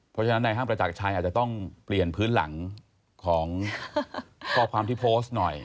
เพราะฉะนั้นในห้างประจักรชัยอาจจะต้องเปลี่ยนพื้นหลังของข้อความที่โพสต์หน่อย